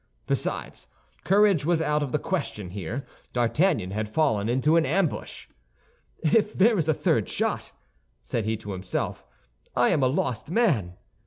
Besides, courage was out of the question here; D'Artagnan had fallen into an ambush. "If there is a third shot," said he to himself, "I am a lost man."